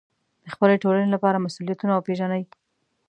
د خپلې ټولنې لپاره مسوولیتونه وپېژنئ.